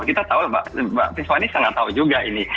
kita tahu mbak rifani sangat tahu juga ini